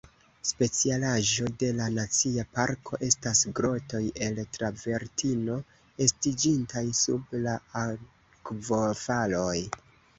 Specialaĵo de la nacia parko estas grotoj el travertino, estiĝintaj sub la akvofaloj.